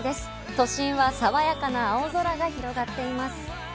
都心は爽やかな青空が広がっています。